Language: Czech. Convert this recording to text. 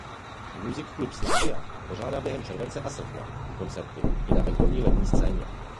Music Club Slavia pořádá během července a srpna koncerty i na venkovní letní scéně.